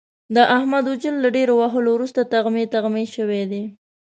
د احمد وجود له ډېرو وهلو ورسته تغمې تغمې شوی دی.